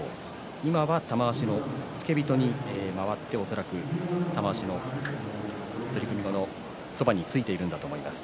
今は玉鷲の付け人にまわって恐らく玉鷲の取組後のそばについているんだと思います。